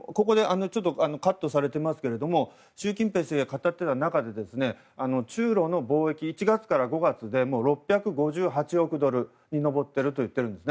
カットされていますが習近平主席が語っている中で中露の貿易は１月から６月で６５８億ドルに上っていると言っているんです。